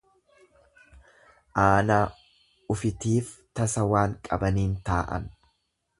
Aanaa ufitiif tasa waan qabaniin taa'an.